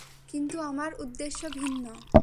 কিন্তু আমার উদ্দেশ্য ভিন্ন।